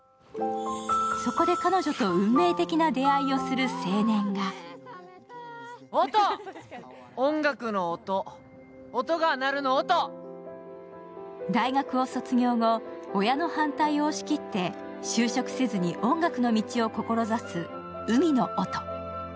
そこで彼女と運命的な出会いをする青年が大学を卒業後親の反対を押し切って就職せずに音楽の道を志す海野音。